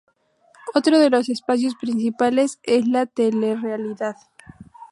Otro de los espacios principales es la telerrealidad.